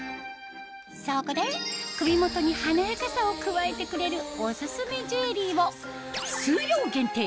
そこで首元に華やかさを加えてくれるお薦めジュエリーを数量限定